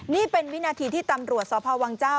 นี่เป็นวินาทีที่ตำรวจสพวังเจ้า